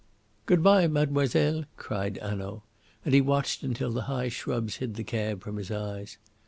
"Goodbye, mademoiselle," cried Hanaud, and he watched until the high shrubs hid the cab from his eyes.